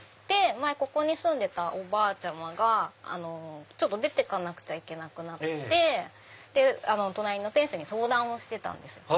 前ここに住んでたおばあちゃまがちょっと出てかなくちゃいけなくなって隣の店主に相談をしてたんです。